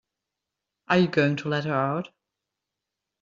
Are you going to let her out?